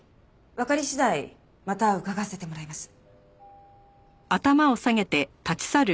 わかり次第また伺わせてもらいます。